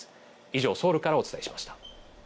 以上、ソウルからお伝えしました。